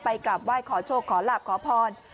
กลับไหว้ขอโชคขอหลับขอพร